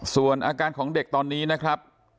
ส่วนอาการของเด็กตอนนี้นะครับ